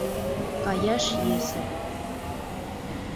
Каяш йӧсӧ.